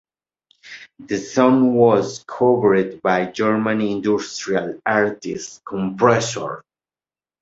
The song was covered by German industrial artist Kompressor.